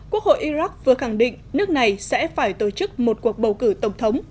quốc hội iraq vừa khẳng định nước này sẽ phải tổ chức một cuộc bầu cử tổng thống